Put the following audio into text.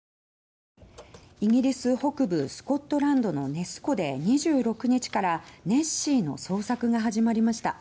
イギリス北部スコットランドのネス湖で２６日からネッシーの捜索が始まりました。